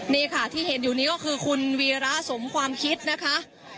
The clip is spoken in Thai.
นี่ค่ะที่เห็นอยู่นี้ก็คือคุณวีระสมความคิดนะคะ